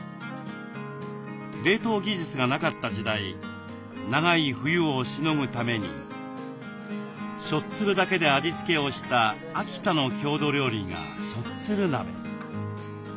冷凍技術がなかった時代長い冬をしのぐためにしょっつるだけで味付けをした秋田の郷土料理がしょっつる鍋。